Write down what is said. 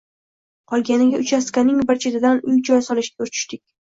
Qolganiga uchastkaning bir chetidan uy-joy solishga tushdik